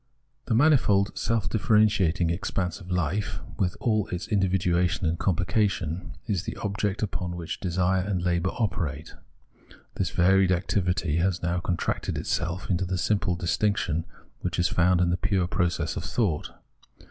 The manifold, self difierentiating expanse of hfe, with all its individuahsation and comphcation, is the object upon which desire and labour operate. This varied ac tivity has now contracted itself into the simple distinction which is found in the pure process of thought.